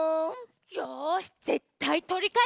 よしぜったいとりかえすわ！